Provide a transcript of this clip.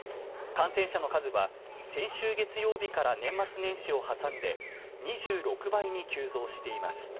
感染者の数は先週月曜日から年末年始を挟んで２６倍に急増しています。